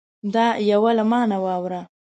دا یوه له ما نه واوره